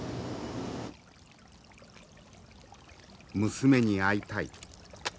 「娘に会いたい」。